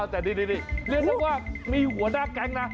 แต่นี่เรียกได้ว่ามีหัวหน้าแก๊งนะ